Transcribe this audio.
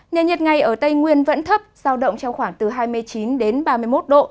nền nhiệt ngày ở tây nguyên vẫn thấp giao động trong khoảng từ hai mươi chín đến ba mươi một độ